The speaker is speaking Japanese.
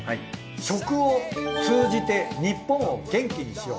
食を通じて日本を元気にしよう。